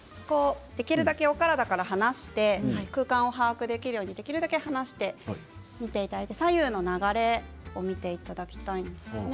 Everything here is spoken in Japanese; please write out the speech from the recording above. できるだけお体から離して空間を把握できるように離して左右の流れを見ていただきたいですね。